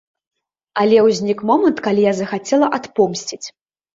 Але ўзнік момант, калі я захацела адпомсціць.